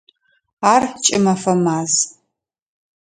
Ар кӏымэфэ маз.